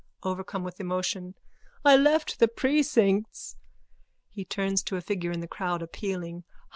(Overcome with emotion.) I left the precincts. (He turns to a figure in the crowd, appealing.)